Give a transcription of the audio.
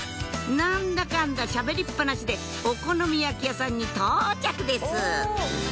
何だかんだしゃべりっ放しでお好み焼き屋さんに到着です